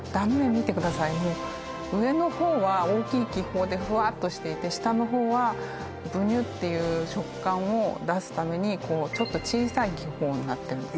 見てください上の方は大きい気泡でふわっとしていて下の方はぶにゅっていう食感を出すためにちょっと小さい気泡になってます